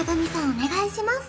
お願いします